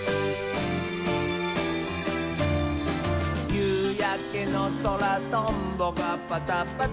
「ゆうやけのそらトンボがパタパタ」